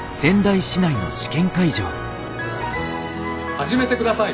始めてください。